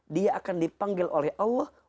dia akan dipanggil oleh allah